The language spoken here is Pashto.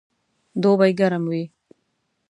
دوبئ ګرم وي